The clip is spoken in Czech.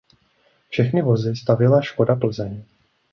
Všechny vozy stavěla Škoda Plzeň.